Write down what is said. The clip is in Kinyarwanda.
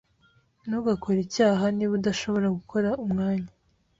Ntugakore icyaha, niba udashobora gukora umwanya.